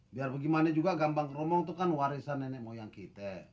biar bagaimana juga gambang keromong itu kan warisan nenek moyang kita